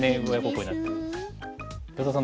安田さん